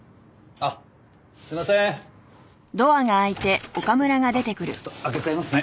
あっちょっと開けちゃいますね。